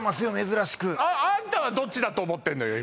珍しくあんたはどっちだと思ってんのよ